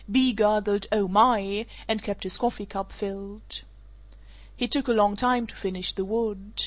Bea gurgled "Oh my!" and kept his coffee cup filled. He took a long time to finish the wood.